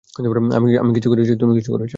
আমি কিছু করেছি, তুমি কিছু করেছ।